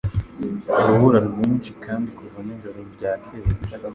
Urubura rwinshi kandi kuva nijoro ryakeye